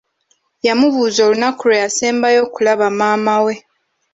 Yamubuuza olunaku lwe yasembayo okulaba maama we.